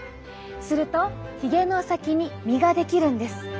するとヒゲの先に実が出来るんです。